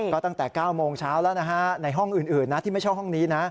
ก็ตั้งแต่๙โมงเช้าแล้วนะฮะในห้องอื่นนะที่ไม่ใช่ห้องนี้นะ